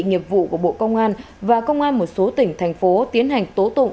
nghiệp vụ của bộ công an và công an một số tỉnh thành phố tiến hành tố tụng